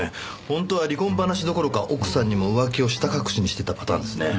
本当は離婚話どころか奥さんにも浮気をひた隠しにしてたパターンですね。